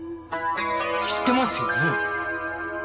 知ってますよね？